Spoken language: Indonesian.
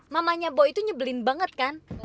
mamanya boy itu nyebelin banget kan